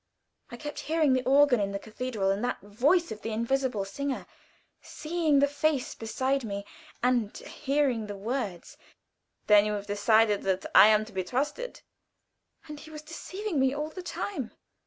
I kept hearing the organ in the cathedral, and that voice of the invisible singer seeing the face beside me, and hearing the words, "Then you have decided that I am to be trusted?" "And he was deceiving me all the time!"